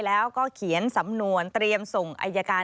แล้วก็เขียนสำนวนเตรียมส่งอายการ